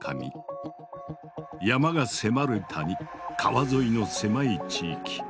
山が迫る谷川沿いの狭い地域。